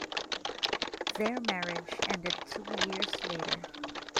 Their marriage ended two years later.